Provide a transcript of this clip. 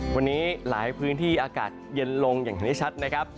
วันนี้หลายพื้นที่อากาศเย็นลงอย่างที่ได้ชัดนะครับ